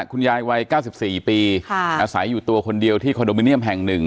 วัย๙๔ปีอาศัยอยู่ตัวคนเดียวที่คอนโดมิเนียมแห่ง๑